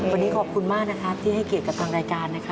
วันนี้ขอบคุณมากนะครับที่ให้เกียรติกับทางรายการนะครับ